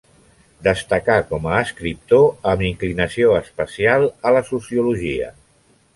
Destacà com a escriptor, amb inclinació especial a la Sociologia.